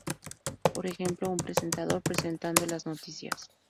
Por ejemplo, un presentador presentando las noticias.